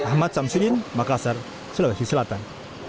ahmad samsudin makassar sulawesi selatan